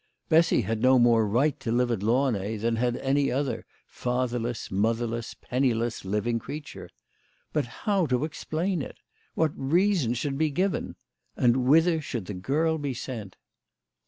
Bessy had no more right to live at Launay than had any other fatherless, motherless, penniless living creature. But how to explain it ? What reason should be given ? And whither should the girl be sent